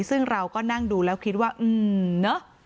ซึ่งเราก็นั่งดูแล้วคิดว่าเนอะ